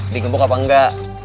dikemuk apa enggak